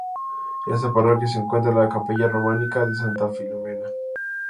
En esta parroquia se encuentra la capilla románica de Santa Filomena.